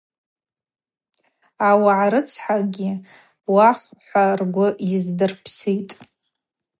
Ауагӏа рыцхӏагьи уахв – хӏва ргвы йыздырпситӏ.